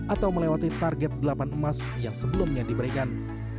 atau melewati target delapan emas yang sebelumnya diberikan